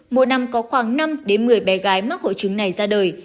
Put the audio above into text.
mỗi năm có khoảng năm một mươi bé gái mắc hội chứng này ra đời